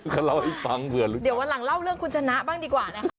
เดี๋ยววันหลังเล่าเรื่องคุณชนะบ้างดีกว่านะคะ